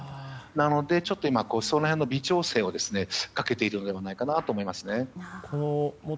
なので、その辺の微調整をかけているのではないかと思います。